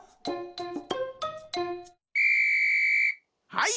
はい。